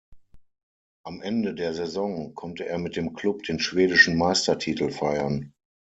Am Ende der Saison konnte er mit dem Klub den schwedischen Meistertitel feiern.